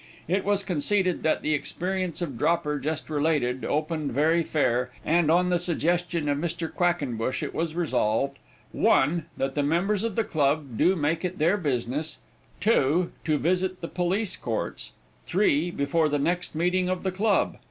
It was conceded that the experience of Dropper, just related, opened very fair, and, on the suggestion of Mr. Quackenbush, it was resolved: 1. That the members of the club do make it their business 2. To visit the Police Courts 3. Before the next meeting of the club.